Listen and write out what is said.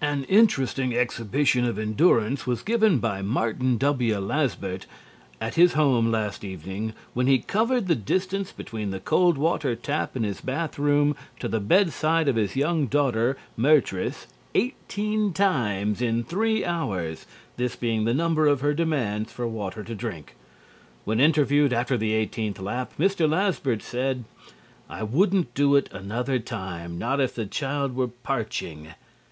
An interesting exhibition of endurance was given by Martin W. Lasbert at his home last evening when he covered the distance between the cold water tap in his bath room to the bedside of his young daughter, Mertice, eighteen times in three hours, this being the number of her demands for water to drink. When interviewed after the eighteenth lap, Mr. Lasbert said: "I wouldn't do it another time, not if the child were parching."